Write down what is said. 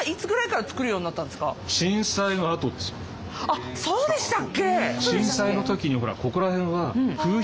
あっそうでしたっけ？